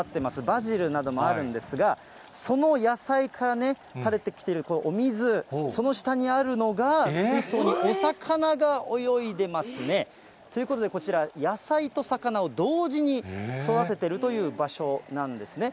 バジルなどもあるんですが、その野菜からね、たれてきているお水、その下にあるのが水槽、お魚が泳いでますね。ということで、こちら、野菜と魚を同時に育ててるという場所なんですね。